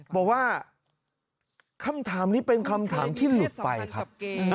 บอกว่าคำถามนี้เป็นคำถามที่หลุดไปครับ